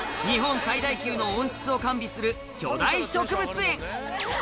日本最大級の温室を完備する巨大植物園。